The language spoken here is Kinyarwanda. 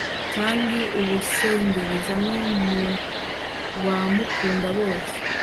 kandi abusendereza no mu bamukunda bose